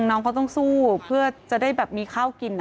น้องเขาต้องสู้เพื่อจะได้แบบมีข้าวกิน